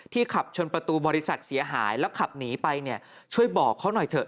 ขับชนประตูบริษัทเสียหายแล้วขับหนีไปเนี่ยช่วยบอกเขาหน่อยเถอะ